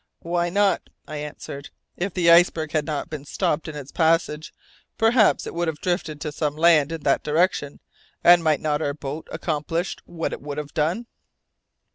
"Why not?" I answered. "If the iceberg had not been stopped in its passage, perhaps it would have drifted to some land in that direction, and might not our boat accomplish what it would have done?"